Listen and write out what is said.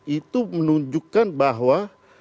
itu menunjukkan bahwa